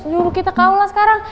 juru kita kaulah sekarang